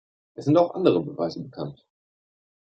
Es sind auch andere Beweise bekannt.